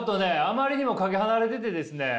あまりにもかけ離れててですね。